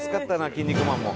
『キン肉マン』も。